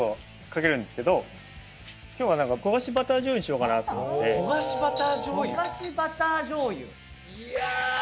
今日は焦がしバター醤油にしようかなと思って焦がしバター醤油いや